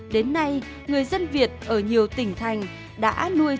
đến nay người dân việt ở nhiều tỉnh thành đã nuôi trồng hoa li li